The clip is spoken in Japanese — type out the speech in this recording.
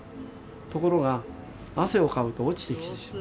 ところが汗をかくと落ちてきてしまう。